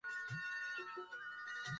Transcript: চলো, ফ্যানবয়।